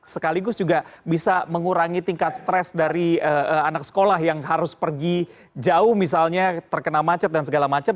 sekaligus juga bisa mengurangi tingkat stres dari anak sekolah yang harus pergi jauh misalnya terkena macet dan segala macam